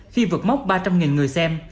khi vượt móc ba trăm linh người xem